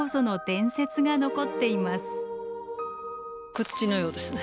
こっちのようですね。